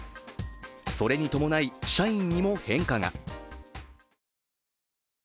それに伴い、社員にも変化が。